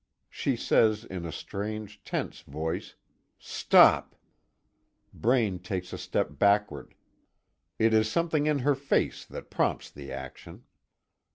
She says in a strange, tense voice: "Stop!" Braine takes a step backward it is something in her face that prompts the action.